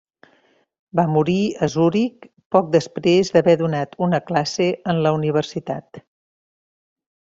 Va morir a Zuric, poc després d'haver donat una classe en la Universitat.